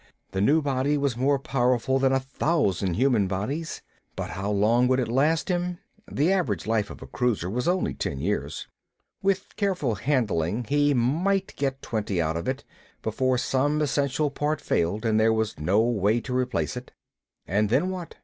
The new body was more powerful than a thousand human bodies. But how long would it last him? The average life of a cruiser was only ten years. With careful handling he might get twenty out of it, before some essential part failed and there was no way to replace it. And then, what then?